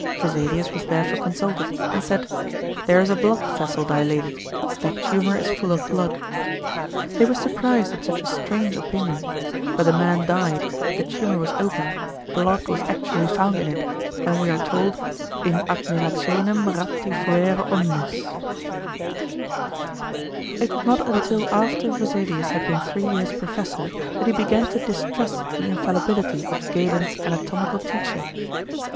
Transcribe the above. Vesalius was therefore consulted, and said, "There is a blood vessel dilated; that tumour is full of blood." They were surprised at such a strange opinion; but the man died, the tumour was opened; blood was actually found in it, and we are told in admirationem rapti fuère omnes. It was not until after Vesalius had been three years professor that he began to distrust the infallibility of Galen's anatomical teaching.